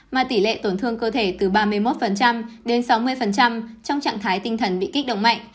mà tỷ lệ tổn thương cơ thể từ ba mươi một đến sáu mươi trong trạng thái tinh thần bị kích động mạnh